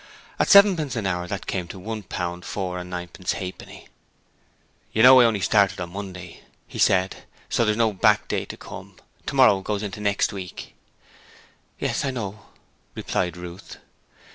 At sevenpence an hour that came to one pound four and ninepence halfpenny. 'You know I only started on Monday,' he said, 'so there's no back day to come. Tomorrow goes into next week.' 'Yes, I know,' replied Ruth.